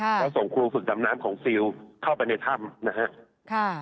แล้วส่งครูศึกดำน้ำของซิลเข้าไปในถ้ำนะครับ